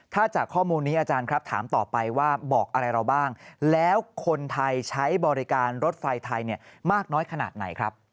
ถ้าจากข้อมูลนี้อาจารย์ครับถามต่อไปว่าบอกอะไรเราบ้างแล้วคนไทยใช้บริการรถไฟไทยมากน้อยขนาดไหนครับ